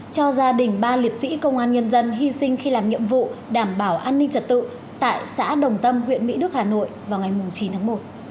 cho gia đình ba liệt sĩ công an nhân dân hy sinh khi làm nhiệm vụ đảm bảo an ninh trật tự tại xã đồng tâm huyện mỹ đức hà nội vào ngày chín tháng một